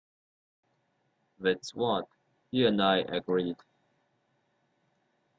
That's what he and I agreed.